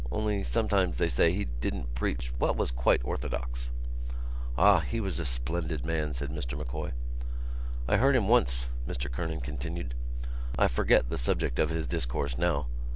Only sometimes, they say, he didn't preach what was quite orthodox." "Ah! ... he was a splendid man," said Mr M'Coy. "I heard him once," Mr Kernan continued. "I forget the subject of his discourse now.